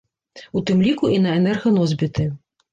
У тым ліку і на энерганосьбіты.